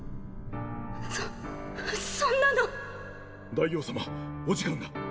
そっそんなのっ・大王様お時間が。